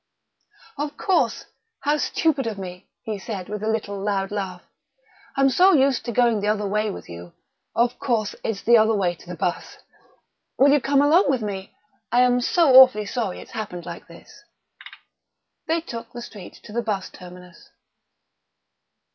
"Of course how stupid of me!" he said, with a little loud laugh. "I'm so used to going the other way with you of course; it's the other way to the bus. Will you come along with me? I am so awfully sorry it's happened like this...." They took the street to the bus terminus.